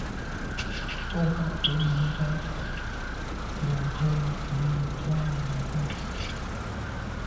Bo ghamt’é nummb’a lo ghù numebwô num bo.